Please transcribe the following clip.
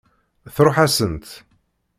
Tṛuḥ-asent.